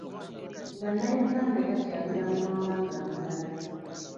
Bannayuganda bakyalira mu mawanga amalala.